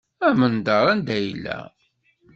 Amendeṛ anda yella.